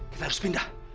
kita harus pindah